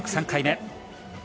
３回目。